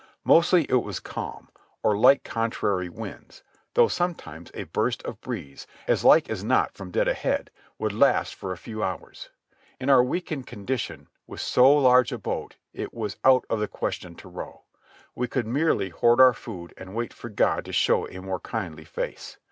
Mostly it was calm, or light contrary winds, though sometimes a burst of breeze, as like as not from dead ahead, would last for a few hours. In our weakened condition, with so large a boat, it was out of the question to row. We could merely hoard our food and wait for God to show a more kindly face.